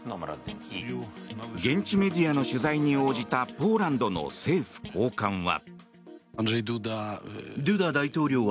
現地メディアの取材に応じたポーランドの政府高官は。